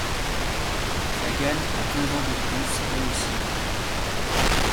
Sagan a quinze ans de plus, elle aussi.